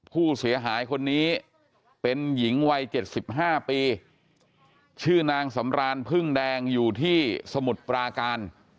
ผู้เสียหายคนนี้เป็นหญิงวัย๗๕ปีชื่อนางสำรานพึ่งแดงอยู่ที่สมุทรปราการ